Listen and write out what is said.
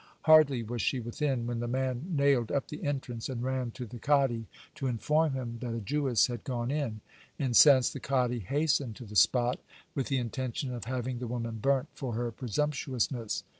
Hardly was she within, when the man nailed up the entrance, and ran to the kadi to inform him that a Jewess had gone in. Incensed, the kadi hastened to the spot, with the intention of having the woman burnt for her presumptuousness.